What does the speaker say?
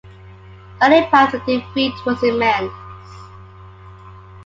The impact of the defeat was immense.